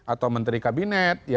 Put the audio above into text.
atau menteri kabinet